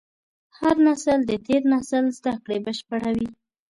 هر نسل د تېر نسل زدهکړې بشپړوي.